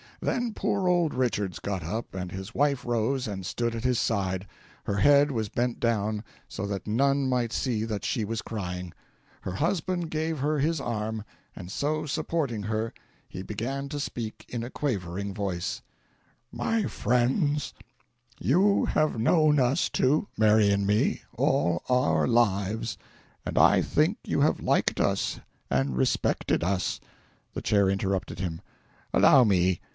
Then poor old Richards got up, and his wife rose and stood at his side. Her head was bent down, so that none might see that she was crying. Her husband gave her his arm, and so supporting her, he began to speak in a quavering voice: "My friends, you have known us two Mary and me all our lives, and I think you have liked us and respected us " The Chair interrupted him: "Allow me.